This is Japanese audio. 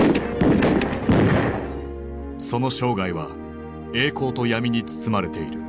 その生涯は栄光と闇に包まれている。